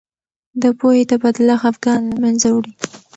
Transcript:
د پوهې تبادله خفګان له منځه وړي.